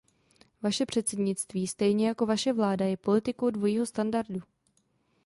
Vaše předsednictví, stejně jako vaše vláda, je politikou dvojího standardu.